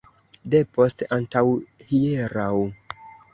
Depost antaŭhieraŭ.